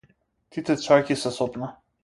Ти трчајќи се сопна.